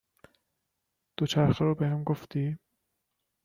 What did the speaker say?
دوچرخه رو بهم گفتی .